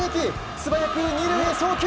素早く２塁へ送球。